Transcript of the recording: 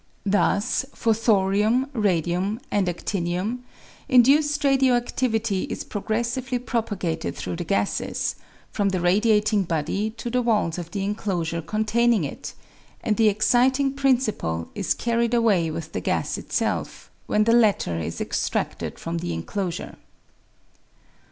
Thus, for thorium, radium, and adtinium induced radio adlivity is progressively propagated through the gases, from the radiating body to the walls of the enclosure con taining it, and the exciting principle is carried awa}' with the gas itself, when the latter is extracted from the enclosure.